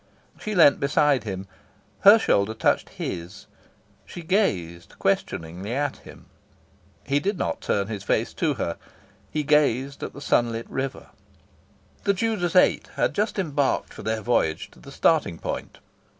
She leaned beside him. Her shoulder touched his. She gazed questioningly at him. He did not turn his face to her. He gazed at the sunlit river. The Judas Eight had just embarked for their voyage to the starting point.